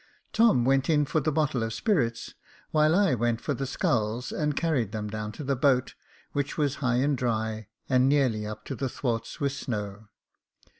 Tom went in for the bottle of spirits, while I went for the sculls and carried them down to the boat, which was high and dry, and nearly up to the thwarts with snow.